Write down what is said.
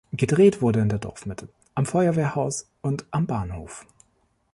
Gedreht wurde in der Dorfmitte, am Feuerwehrhaus und am Bahnhof.